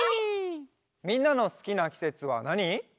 みんなのすきなきせつはなに？